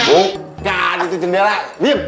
oh gak ada itu jendela diem